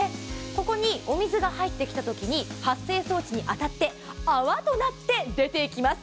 ここにお水が入ってきたときに発生装置に当たって泡となって出ていきます。